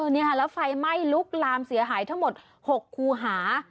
นี่ค่ะแล้วไฟไหม้ลุกลามเสียหายทั้งหมด๖คูหา